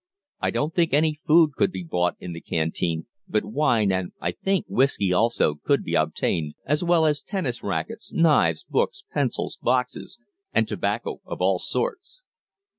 I don't think any food could be bought in the canteen, but wine, and, I think, whisky also, could be obtained, as well as tennis racquets, knives, books, pencils, boxes, and tobacco of all sorts.